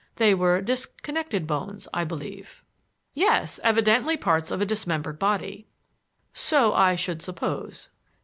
They were disconnected bones, I believe." "Yes; evidently parts of a dismembered body." "So I should suppose.